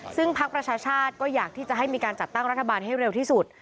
ซึ่งพักประชาชาติก็อยากที่จะให้มีการจัดตั้งรัฐบาลให้เร็วที่สุด